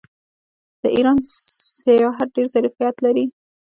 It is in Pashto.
د ایران سیاحت ډیر ظرفیت لري.